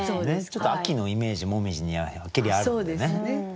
ちょっと秋のイメージ紅葉にははっきりあるのでね。